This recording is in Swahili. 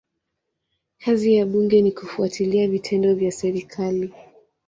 Kazi ya bunge ni kufuatilia vitendo vya serikali.